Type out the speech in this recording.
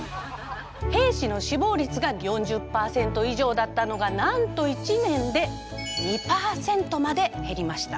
兵士の死亡率が４０％以上だったのがなんと１年で２％までへりました。